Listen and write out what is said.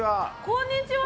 こんにちは。